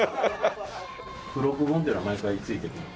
付録本っていうのは毎回付いてくるんですか？